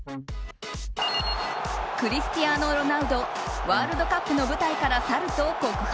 クリスティアーノ・ロナウドワールドカップの舞台から去ると告白。